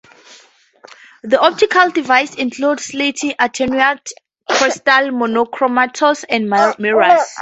The optical devices include slits, attenuators, crystal monochromators, and mirrors.